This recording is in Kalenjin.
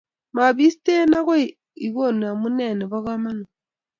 mabisten agoi ikono amunet nebo kamanut